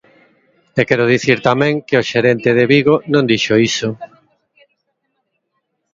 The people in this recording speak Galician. E quero dicir tamén que o xerente de Vigo non dixo iso.